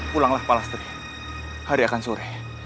pulanglah palastri hari akan sore